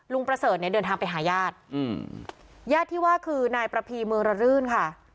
ลุงประเสริฐเนี่ยเดินทางไปหาญาติญาติที่ว่าคือนายประพีเมอร์รรื่นค่ะ